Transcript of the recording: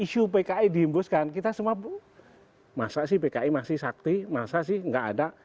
isu pki dihembuskan kita semua masa sih pki masih sakti masa sih nggak ada